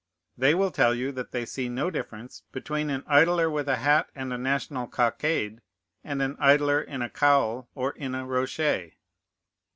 They will tell you that they see no difference between an idler with a hat and a national cockade and an idler in a cowl or in a rochet.